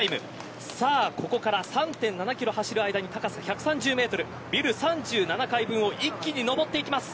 ここから３．７キロ走る間に高さ１３０メートルビル３７階分を一気にのぼっていきます。